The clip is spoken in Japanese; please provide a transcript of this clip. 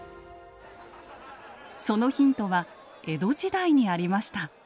そのヒントは江戸時代にありました。